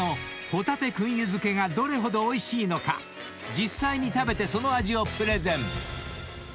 ［実際に食べてその味をプレゼン］